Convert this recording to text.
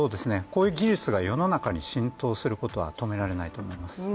こういう技術が世の中に浸透することは止められないと思います。